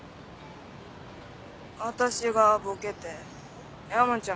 私がボケて山ちゃんが。